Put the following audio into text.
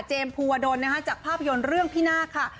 เจมส์ภูวะดนจากภาพยนตร์เรื่องพินาคค่ะ